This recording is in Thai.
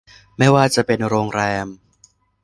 ไม่ว่าจะเป็นโรงแรม